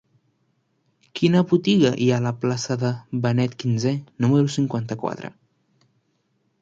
Quina botiga hi ha a la plaça de Benet XV número cinquanta-quatre?